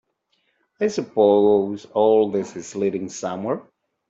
I suppose all this is leading somewhere?